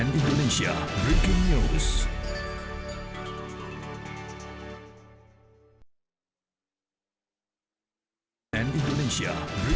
di jawa barat